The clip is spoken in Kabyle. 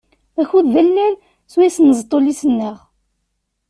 Akud d allal swayes nzeṭṭ ullis-nneɣ.